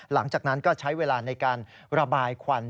หลังจากนั้นก็ใช้เวลาในการระบายควัน